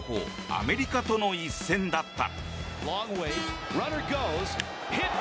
アメリカとの一戦だった。